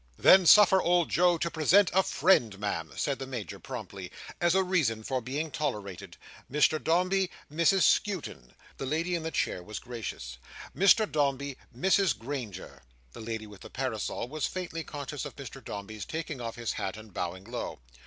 "Then suffer old Joe to present a friend, Ma'am," said the Major, promptly, "as a reason for being tolerated. Mr Dombey, Mrs Skewton." The lady in the chair was gracious. "Mr Dombey, Mrs Granger." The lady with the parasol was faintly conscious of Mr Dombey's taking off his hat, and bowing low.